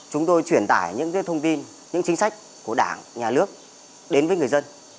chúng tôi truyền tải những thông tin những chính sách của đảng nhà nước đến với người dân